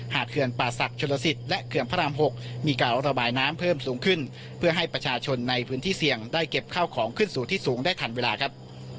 เขื่อนป่าศักดิ์ชนลสิตและเขื่อนพระราม๖มีการระบายน้ำเพิ่มสูงขึ้นเพื่อให้ประชาชนในพื้นที่เสี่ยงได้เก็บข้าวของขึ้นสู่ที่สูงได้ทันเวลาครับ